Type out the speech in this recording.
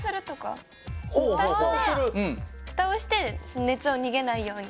ふたをして熱を逃げないように。